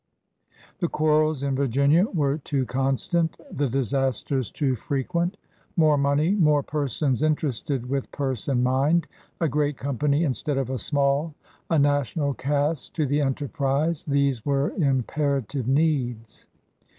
The quarrels in Virginia were too constant, the disasters too frequent. More money, more persons interested with purse and mind, a great company instead of a small, a national : cast to the enterprise — these were imperative needs.